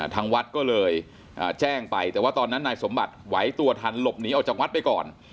ทางวัดก็เลยแจ้งไปแต่ว่าตอนนั้นนายสมบัติไหวตัวทันหลบหนีออกจากวัดไปก่อน